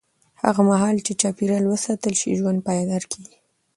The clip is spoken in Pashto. هغه مهال چې چاپېریال وساتل شي، ژوند پایدار کېږي.